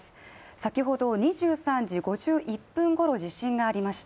先ほど２３時５１分ごろ、地震がありました。